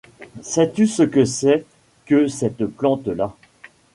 Sais-tu ce que c'est que cette plante-là?